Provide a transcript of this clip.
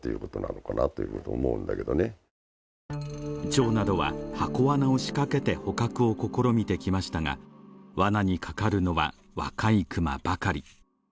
町などは箱わなを仕掛けて捕獲を試みてきましたが、わなにかかるのは若いクマばかり。